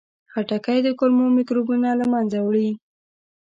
خټکی د کولمو میکروبونه له منځه وړي.